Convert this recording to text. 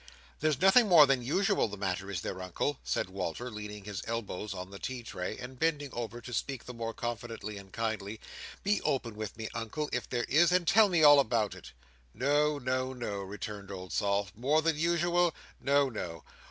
"There's nothing more than usual the matter; is there, Uncle?" said Walter, leaning his elbows on the tea tray, and bending over, to speak the more confidentially and kindly. "Be open with me, Uncle, if there is, and tell me all about it." "No, no, no," returned Old Sol. "More than usual? No, no.